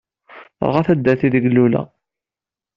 Terɣa taddart ideg luleɣ.